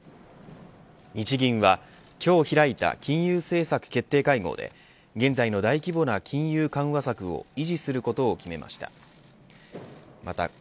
日銀は今日開いた金融政策決定会合で現在の大規模な金融緩和策を維持することを決めました。